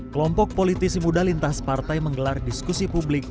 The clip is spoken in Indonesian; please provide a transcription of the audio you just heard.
kelompok politisi muda lintas partai menggelar diskusi publik